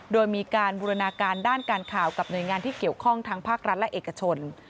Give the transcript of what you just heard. โดยมีการบูรณาการด้านการข่าวกับหน่วยงานที่เกี่ยวข้องทั้งภาครัฐและเอกชน